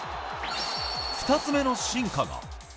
２つ目の進化が。